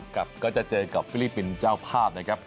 ก็จะเจอกับฟิลิปปินต์เจ้าภาพ